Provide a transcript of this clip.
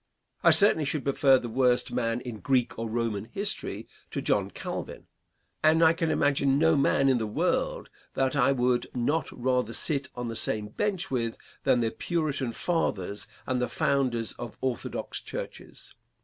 I certainly should prefer the worst man in Greek or Roman history to John Calvin; and I can imagine no man in the world that I would not rather sit on the same bench with than the Puritan fathers and the founders of orthodox churches.